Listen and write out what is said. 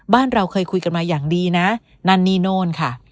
บ้านเราเคยคุยกันมาอย่างดีนะนั่นนี่โน่นค่ะ